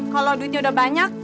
kalau duitnya udah banyak